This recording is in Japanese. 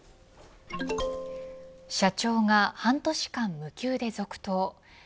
社長が半年間無給で続投。